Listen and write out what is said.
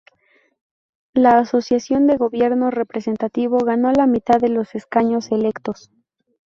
La Asociación de Gobierno Representativo ganó la mitad de los escaños electos.